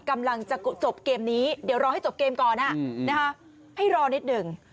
กำลังจะจบเกมนี้เดี๋ยวรอให้จบเกมก่อนให้รอนิดหนึ่ง